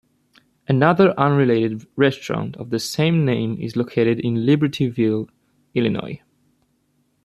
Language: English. Another unrelated restaurant of the same name is located in Libertyville, Illinois.